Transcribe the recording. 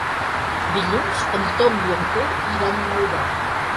Dilluns en Tom i en Quer iran a Maldà.